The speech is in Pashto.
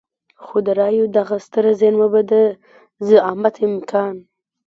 خو د رايو دغه ستره زېرمه به د زعامت امکان.